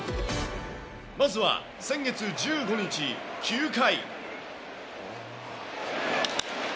まずは先月１５日、９回。